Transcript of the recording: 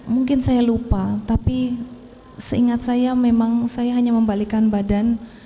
mungkin saya lupa tapi seingat saya memang saya hanya membalikkan badan